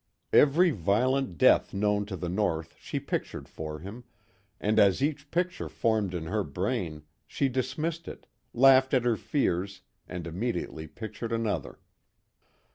Every violent death known to the North she pictured for him, and as each picture formed in her brain, she dismissed it, laughed at her fears, and immediately pictured another.